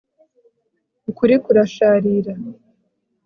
ukuri kurasharira